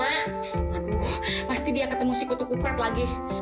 aduh pasti dia ketemu si ketukupret lagi